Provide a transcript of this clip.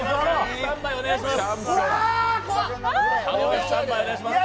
スタンバイお願いします。